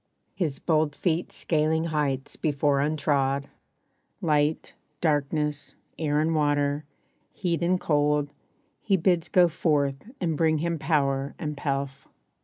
His bold feet scaling heights before untrod, Light, darkness, air and water, heat and cold He bids go forth and bring him power and pelf.